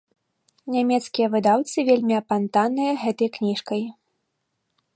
Нямецкія выдаўцы вельмі апантаныя гэтай кніжкай.